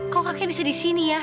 kok kakek bisa disini ya